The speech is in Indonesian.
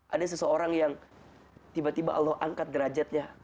ada seseorang yang tiba tiba allah angkat derajatnya